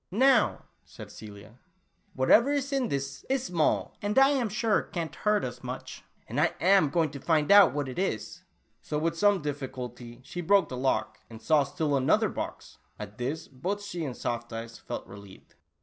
"Now," said Celia, "whatever is in this, is small, and I am sure can't hurt us much, and I am going to find out what it is." So with some difficulty, she broke the lock and, saw still another box ! At this, both she and Soft Tula Oolah. 45 Eyes felt relieved.